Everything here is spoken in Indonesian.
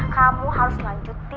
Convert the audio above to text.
kamu harus lanjutin